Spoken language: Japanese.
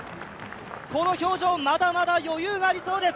この表情、まだまだ余裕がありそうです。